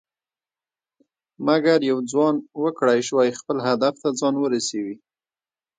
مګر یو ځوان وکړى شوى خپل هدف ته ځان ورسوي.